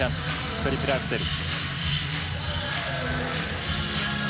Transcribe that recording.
トリプルアクセル。